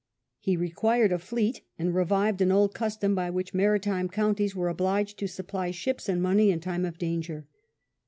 He required a fleet, and revived an old custom by which maritime counties were obliged to supply ships and money in time of danger.